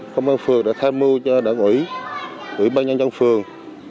công an phường đã tham mưu cho đoàn ủy ủy ban nhân trong phường